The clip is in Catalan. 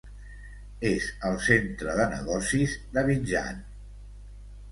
És el centre de negocis d'Abidjan.